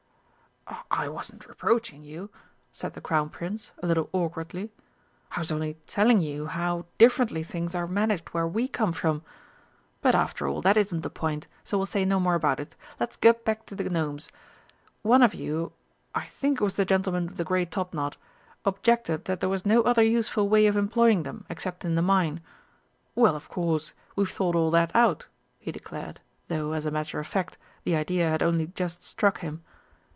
"I wasn't reproaching you," said the Crown Prince, a little awkwardly, "I was only telling you how differently things are managed where we come from. But after all, that isn't the point, so we'll say no more about it. Let's get back to the Gnomes. One of you I think it was the gentleman with the grey topknot objected that there was no other useful way of employing them, except in the mine. Well, of course, we've thought all that out," he declared, though, as a matter of fact, the idea had only just struck him.